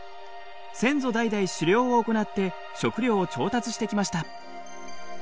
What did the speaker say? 先祖代々狩猟を行って食料を調達してきました。